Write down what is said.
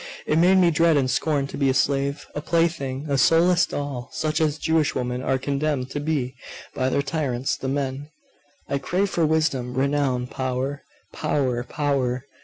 It made me dread and scorn to be a slave, a plaything, a soul less doll, such as Jewish women are condemned to be by their tyrants, the men. I craved for wisdom, renown, power power power!